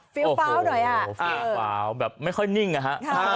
ฟิล์มพาวหน่อยอะฟิล์มพาวแบบไม่ค่อยนิ่งอะฮะ